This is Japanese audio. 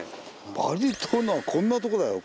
バリ島のはこんなとこだよ。